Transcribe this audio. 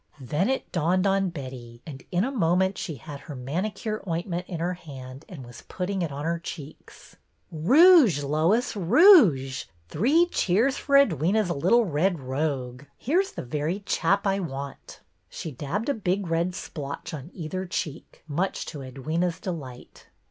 Then it dawned on Betty, and in a moment she had her manicure ointment in her hand and was putting it on her cheeks. " Rouge, Lois, rouge ! Three cheers for Edwyna's ' little red rogue '! He 's the very chap I want." She dabbed a big red splotch on either cheek, much to Edwyna's delight.